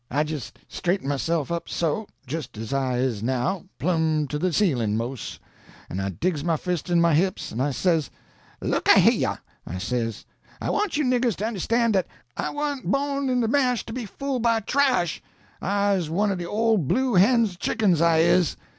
I jist straightened myself up so jist as I is now, plum to de ceilin', mos' an' I digs my fists into my hips, an' I says, 'Look a heah!' I says, 'I want you niggers to understan' dat I wa'n't bawn in de mash to be fool' by trash! I's one o' de ole Blue hen's Chickens, I is!'